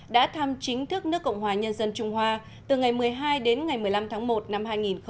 đã thăm chính thức nước cộng hòa nhân dân trung hoa từ ngày một mươi hai đến ngày một mươi năm tháng một năm hai nghìn hai mươi